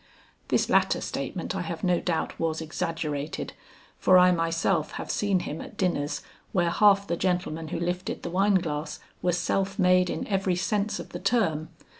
This latter statement I have no doubt was exaggerated for I myself have seen him at dinners where half the gentlemen who lifted the wine glass were self made in every sense of the term.